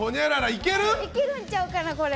いけるんちゃうかな、これ。